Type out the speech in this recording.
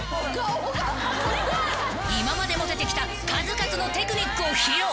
［今までモテてきた数々のテクニックを披露］